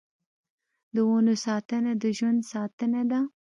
د ونو ساتنه د ژوند ساتنه ده.